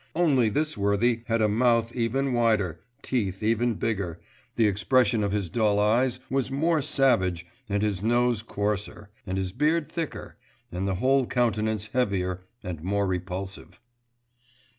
Only this worthy had a mouth even wider, teeth even bigger, the expression of his dull eyes was more savage and his nose coarser, and his beard thicker, and the whole countenance heavier and more repulsive.